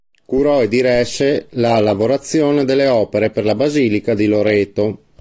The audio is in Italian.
Curò e diresse la lavorazione delle opere per la Basilica di Loreto.